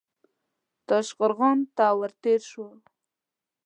تاشقرغان ته ور تېر شو.